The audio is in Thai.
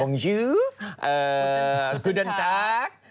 บังจือคุณภาษาอังกฤษ